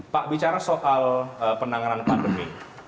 pak bicara soal penanganan pandemi